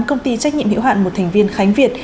công ty trách nhiệm hiệu hạn một thành viên khánh việt